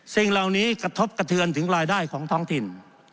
สิ่งเหล่านี้กระทบกระเทือนถึงรายได้ของท้องถิ่น